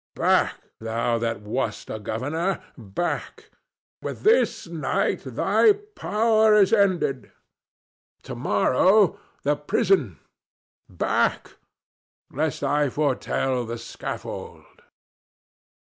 Back, thou that wast a governor, back! With this night thy power is ended. To morrow, the prison! Back, lest I foretell the scaffold!"